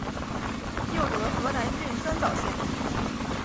又得河南郡酸枣县。